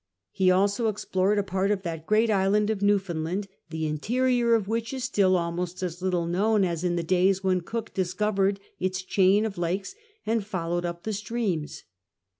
lie also explored a part of tliat great island of NewfoiiiKllaiid, the interior of which is still rilmost as little known fis in the days Avhon Cook dis covered its chain of lakes and followed up the streams.